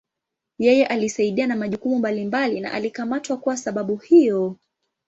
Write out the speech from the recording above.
Yeye alisaidia na majukumu mbalimbali na alikamatwa kuwa sababu hiyo.